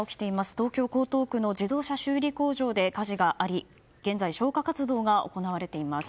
東京・江東区の自動車修理工場で火事があり現在、消火活動が行われています。